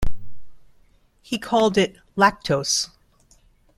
He called it "lactose".